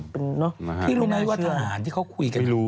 พี่รู้ไหมว่าทหารที่เขาคุยกันรู้